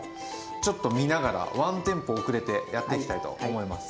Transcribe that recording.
ちょっと見ながらワンテンポ遅れてやっていきたいと思います。